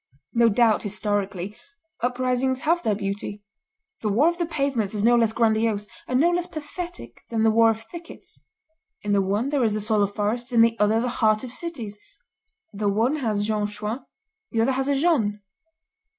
"No doubt, historically, uprisings have their beauty; the war of the pavements is no less grandiose, and no less pathetic, than the war of thickets: in the one there is the soul of forests, in the other the heart of cities; the one has Jean Chouan, the other has a Jeanne.